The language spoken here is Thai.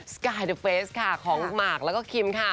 สกายาดูฟเฟซของหมากแล้วก็คิม